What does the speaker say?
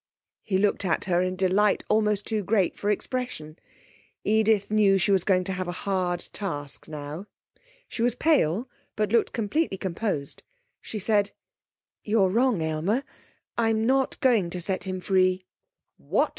He looked at her in delight almost too great for expression. Edith knew she was going to have a hard task now. She was pale, but looked completely composed. She said: 'You're wrong, Aylmer. I'm not going to set him free.' 'What?'